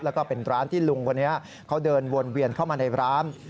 แล้วก็เป็นร้านที่ลุงคนนี้เขาเดินวนเวียนเข้ามาในร้าน